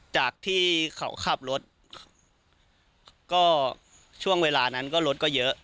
จากที่เขาขับรถก็ช่วงเวลานั้นก็รถก็เยอะ